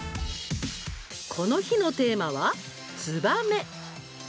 この日のテーマは「つばめ」。